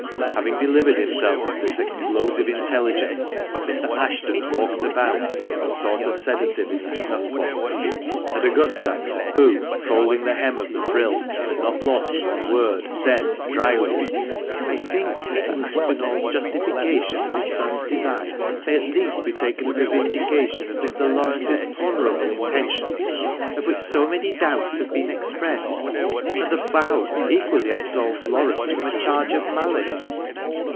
Having delivered himself of this explosive intelligence, Mr. Ashton walked about, and sought a sedative in his snuff box ; and Augusta, who, folding the hem of the frill, had not lost one word, said, drily, "I think Mr. Aspinall's justification of his son's design may at least be taken as a vindication of Mr. Laurence's honourable intentions, of which so many doubts have been expressed. And the bow equally absolves Laurence from a charge of malice."